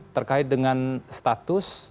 terkait dengan status